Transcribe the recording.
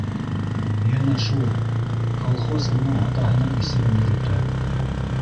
Йәнә шул, колхоз уның атаһының исемен йөрөтә